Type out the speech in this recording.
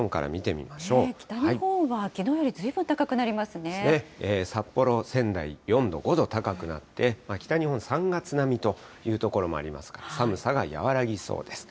北日本はきのうよりずいぶん札幌、仙台、４度、５度高くなって、北日本、３月並みという所もありますから、寒さが和らぎそうです。